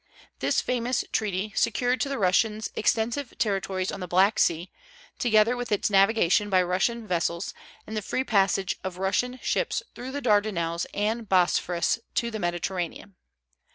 This famous treaty secured to the Russians extensive territories on the Black Sea, together with its navigation by Russian vessels, and the free passage of Russian ships through the Dardanelles and Bosphorus to the Mediterranean.